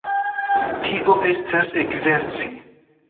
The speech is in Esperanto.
Tio estas ekzerci.